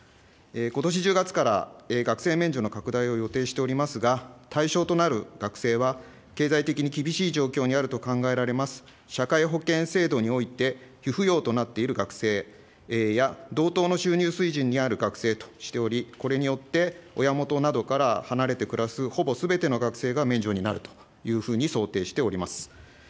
ことし１０月から学生免除の拡大を予定しておりますが、対象となる学生は、経済的に厳しい状況にあると考えられます、社会保険制度において被扶養となっている学生や、同等の収入水準にある学生としており、これによって、親元などから離れて暮らす、ほぼすべての学生が免除になるというふうに想定しております。